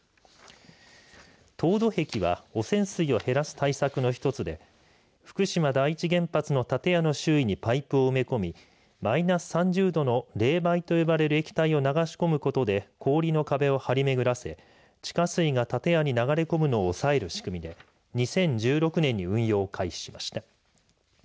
凍土壁は汚染水を減らす対策の１つで福島第一原発の建屋の周囲にパイプを埋め込みマイナス３０度の冷媒と呼ばれる液体を流し込むことで氷の壁を張り巡らせ地下水が建屋に流れ込むのを抑える仕組みで２０１６年に運用を開始しました。